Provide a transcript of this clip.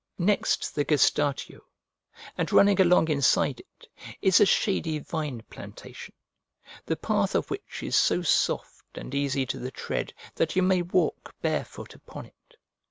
Next the gestatio, and running along inside it, is a shady vine plantation, the path of which is so soft and easy to the tread that you may walk bare foot upon it.